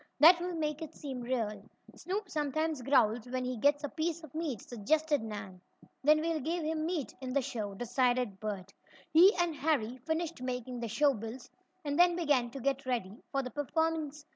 That will make it seem real." "Snoop sometimes growls when he gets a piece of meat," suggested Nan. "Then we'll give him meat in the show," decided Bert. He and Harry finished making the show bills, and then began to get ready for the performance.